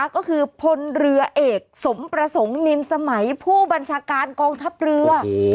ก็คือพลเรือเอกสมประสงค์นินสมัยผู้บัญชาการกองทัพเรือ